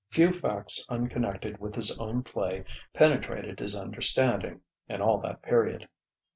Few facts unconnected with his own play penetrated his understanding, in all that period.